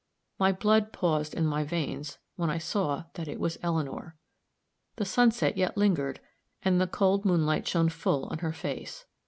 My blood paused in my veins when I saw that it was Eleanor. The sunset yet lingered, and the cold moonlight shone full on her face.